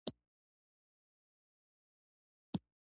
هغه خپل دوه کلن پلان وليکه او چمتو يې کړ.